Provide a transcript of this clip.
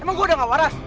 emang gue udah gak waras